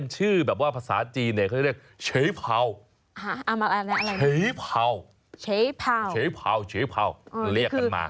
ชื่อแบบว่าภาษาจีนเขาจะเรียกเชพาเชพา